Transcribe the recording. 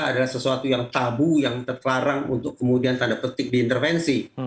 adalah sesuatu yang tabu yang terklarang untuk kemudian tanda petik di intervensi